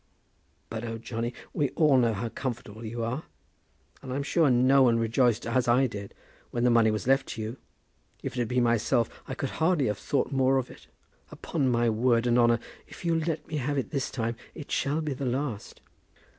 "But oh, Johnny, we all know how comfortable you are. And I'm sure no one rejoiced as I did when the money was left to you. If it had been myself I could hardly have thought more of it. Upon my solemn word and honour if you'll let me have it this time, it shall be the last."